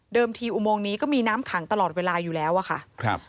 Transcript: ทีอุโมงนี้ก็มีน้ำขังตลอดเวลาอยู่แล้วอะค่ะครับ